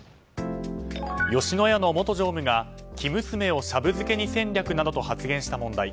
吉野家の元常務が生娘をシャブ漬けに戦略などと発言した問題。